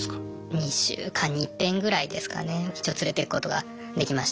２週間に一遍ぐらいですかね一応連れていくことができました。